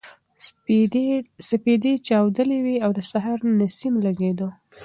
سپېدې چاودلې وې او د سهار نسیم لګېده.